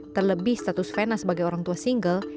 terlebih status vena sebagai orang tua single